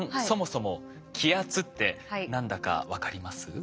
そもそも気圧って何だか分かります？